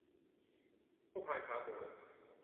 คู่พานขาหมู